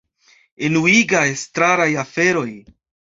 Enuigaj estraraj aferoj